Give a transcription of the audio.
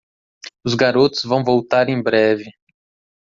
Os garotos vão voltar em breve.